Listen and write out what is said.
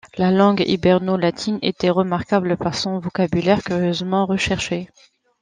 La langue hiberno-latine était remarquable par son vocabulaire curieusement recherché.